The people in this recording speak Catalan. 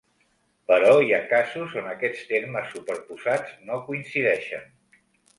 Però hi ha casos on aquests termes superposats no coincideixen.